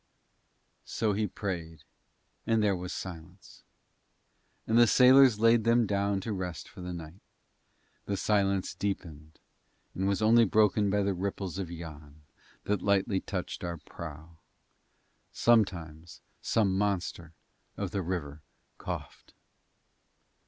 So he prayed, and there was silence. And the sailors laid them down to rest for the night. The silence deepened, and was only broken by the ripples of Yann that lightly touched our prow. Sometimes some monster of the river coughed.